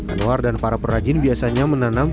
anwar dan para perajin biasanya menanam